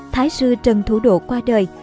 thái sư trần thủ độ qua đời